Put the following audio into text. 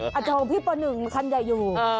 อาจจะของพี่ป่นหนึ่งคันใหญ่อยู่